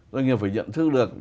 doanh nghiệp phải nhận thức được